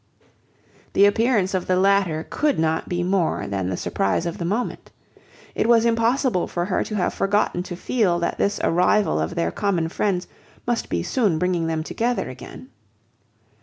The appearance of the latter could not be more than the surprise of the moment. It was impossible for her to have forgotten to feel that this arrival of their common friends must be soon bringing them together again.